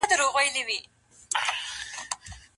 که ښوونکی د ماشوم روان درک نکړي نو درس بې اغیزې وي.